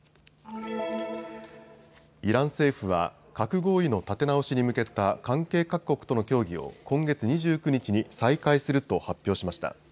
イラン政府は核合意の立て直しに向けた関係各国との協議を今月２９日に再開すると発表しました。